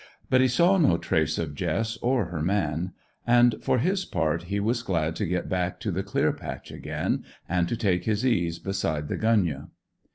But he saw no trace of Jess or her man; and, for his part, he was glad to get back to the clear patch again, and to take his ease beside the gunyah.